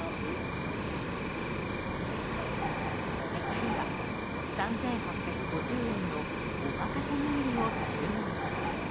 ２人は、３８５０円のおまかせ握りを注文。